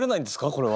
これは。